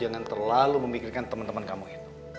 jangan terlalu memikirkan temen temen kamu itu